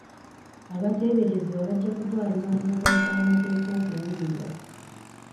Abateeberezebwa bajja kutwalibwa mu mbuga z'amateeka okuwulirwa.